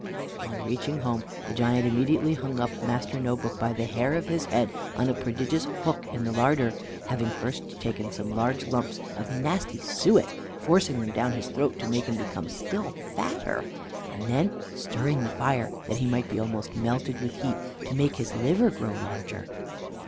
On reaching home the giant immediately hung up Master No book by the hair of his head, on a prodigious hook in the larder, having first taken some large lumps of nasty suet, forcing them down his throat to make him become still fatter, and then stirring the fire, that he might be almost melted with heat, to make his liver grow larger.